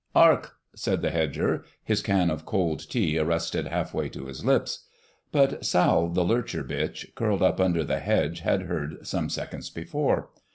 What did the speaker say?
* "'Ark!" said the hedger, his can of cold tea arrested half way to his lips. But Sal, the lurcher bitch curled up under the hedge, had heard some seconds before.